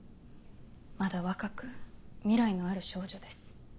まだ若く未来のある少女です。